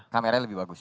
kameranya lebih bagus